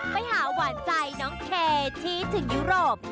ไปหาหวานใจน้องเคที่ถึงยุโรป